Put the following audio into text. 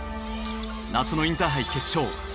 夏のインターハイ決勝。